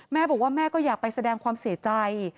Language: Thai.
แม่บอกว่าแม่ก็อยากไปแสดงความเสียใจ